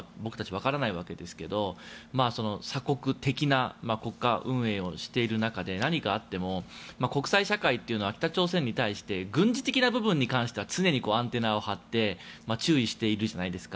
わからないわけですがその鎖国的な国家運営をしている中で何かあっても国際社会というのは北朝鮮に対して軍事的な部分に関しては常にアンテナを張って注意しているじゃないですか。